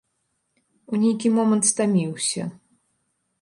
У нейкі момант стаміўся.